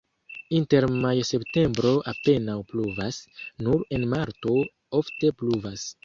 Inter majo-septembro apenaŭ pluvas, nur en marto ofte pluvas.